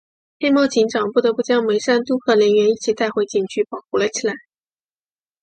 黑猫警长不得不将牟三嘟和能源一起带回警局保护了起来。